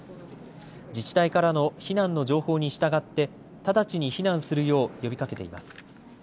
自治体からの避難の情報に従って直ちに避難するよう呼びかけています。